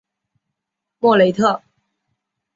莫雷特。